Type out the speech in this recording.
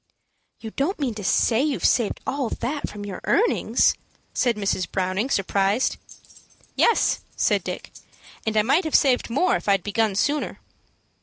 "You don't mean to say you've saved all that from your earnings?" said Mrs. Browning, surprised. "Yes," said Dick, "and I might have saved more if I'd begun sooner."